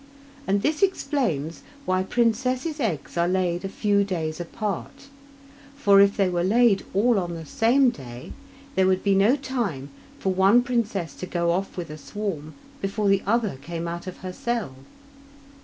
And this explains why princesses' eggs are laid a few days apart, for if they were laid all on the same day, there would be no time for one princess to go off with a swarm before the other came out of her cell.